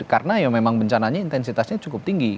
karena ya memang bencananya intensitasnya cukup tinggi